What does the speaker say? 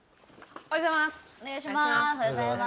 おはようございます。